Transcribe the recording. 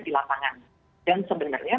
di lapangan dan sebenarnya